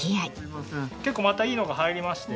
結構またいいのが入りまして。